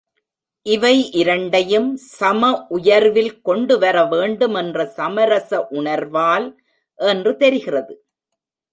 இவை இரண்டையும் சம உயர்வில் கொண்டுவர வேண்டுமென்ற சமரச உணர்வால் என்று தெரிகிறது.